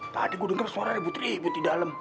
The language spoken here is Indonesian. tadi gue denger suara ribut ribut di dalem